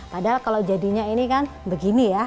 padahal kalau jadinya ini kan begini ya